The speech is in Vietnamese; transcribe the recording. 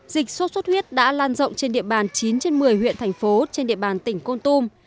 dịch sốt xuất huyết đã lan rộng trên địa bàn chín trên một mươi huyện thành phố trên địa bàn tỉnh con tum